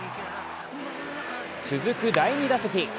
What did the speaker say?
続く第２打席。